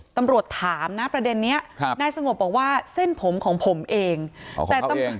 ตำรวจถามนะประเด็นนี้ครับนายสงบบอกว่าเส้นผมของผมเองแต่ตำรวจ